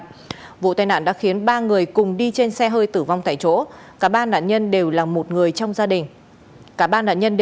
một vụ tên nạn giao thông đặc biệt nghiêm trọng khiến ba người tử vong tại chỗ xảy ra trên quốc lộ một mươi bốn đường hồ chí minh đoạn qua xã yà bang huyện chư prong tỉnh gia lai